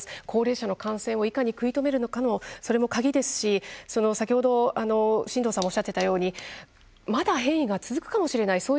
高齢者の感染をいかに食い止めるのかもそれも鍵ですし、先ほど進藤さんもおっしゃっていたようにまだ変異が続くかもしれない。